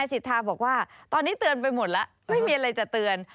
สิทธาบอกว่าตอนนี้เตือนไปหมดแล้วไม่มีอะไรจะเตือน